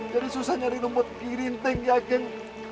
jadi susah nyari rumput gigi rinting ya kang